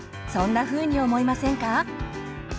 そんなふうに思いませんか？